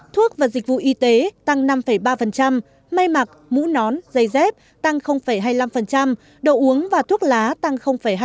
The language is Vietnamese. thuốc và dịch vụ y tế tăng năm ba mây mặc mũ nón dây dép tăng hai mươi năm đậu uống và thuốc lá tăng hai mươi một